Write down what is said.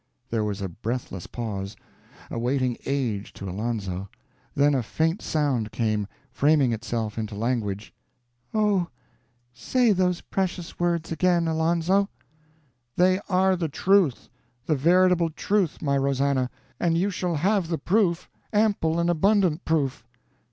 There was a breathless pause, a waiting age to Alonzo; then a faint sound came, framing itself into language: "Oh, say those precious words again, Alonzo!" "They are the truth, the veritable truth, my Rosannah, and you shall have the proof, ample and abundant proof!"